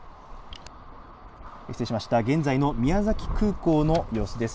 失礼しました、現在の宮崎空港の様子です。